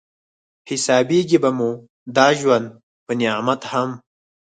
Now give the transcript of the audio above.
حسابېږي به مو دا ژوند په نعمت هم